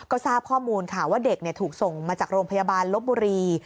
ก็ทราบข้อมูลค่ะว่าเด็กถูกส่งมาจากโรงพยาบาลลบบุรี